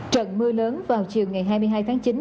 trận mưa lớn vào chiều ngày hai mươi hai tháng chín